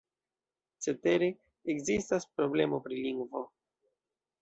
Cetere, ekzistas problemo pri lingvo.